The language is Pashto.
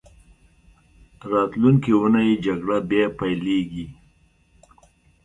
راتلونکې اونۍ جګړه بیا پیلېږي.